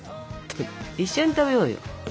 一緒に食べようよ。